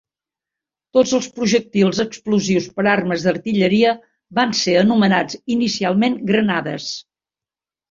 Tots els projectils explosius per armes d'artilleria van ser anomenats inicialment granades.